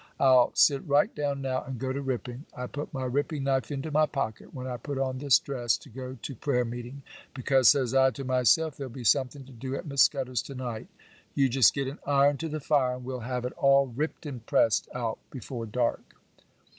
I'll sit right down now and go to ripping. I put my ripping knife into my pocket when I put on this dress to go to prayer meeting, because, says I to myself, there'll be something to do at Miss Scudder's to night. You just get an iron to the fire, and we'll have it all ripped and pressed out before dark.